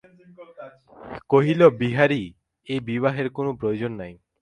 কহিল, বিহারী, এ বিবাহের কোনো প্রয়োজন নাই।